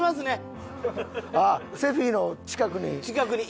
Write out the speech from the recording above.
あっセフィの近くに？